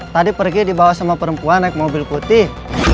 tadi pergi dibawa sama perempuan naik mobil putih